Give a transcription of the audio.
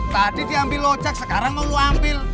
tadi diambil ojek sekarang mau ambil